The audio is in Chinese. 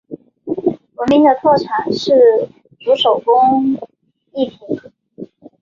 闻名的特产是竹手工艺品。